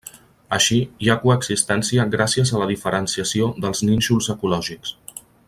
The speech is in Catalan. Així, hi ha coexistència gràcies a la diferenciació dels nínxols ecològics.